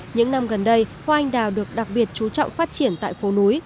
những năm gần đây hoa anh đào được đặc biệt chú trọng phát triển tại phố núi